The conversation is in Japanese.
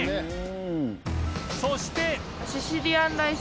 そして